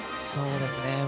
そうですね。